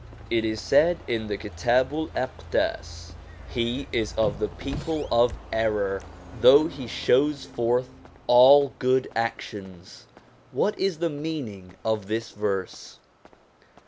It is said in the Kitabu'l Aqdas :' He is of the people of error, though he shows forth all good actions.' What is the meaning of this verse